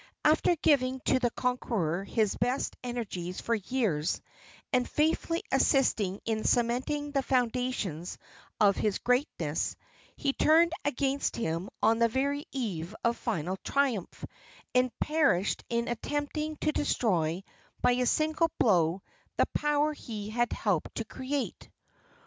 After giving to the conqueror his best energies for years, and faithfully assisting in cementing the foundations of his greatness, he turned against him on the very eve of final triumph, and perished in attempting to destroy by a single blow the power he had helped to create.